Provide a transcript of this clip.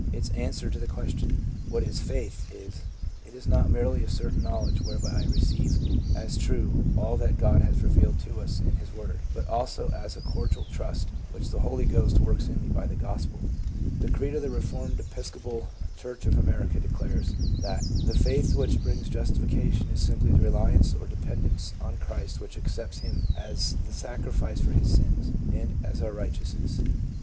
Its answer to the question, "What is faith?" is: "It is not merely a certain knowledge whereby I receive as true all that God has revealed to us in His Word, but also a cordial trust which the Holy Ghost works in me by the gospel." The creed of the Eeformed Episcopal Church of America declares that "the faith which brings justification is simply the reliance or dependence on Christ which accepts him as the sacrifice for his sins, and as our righteousness."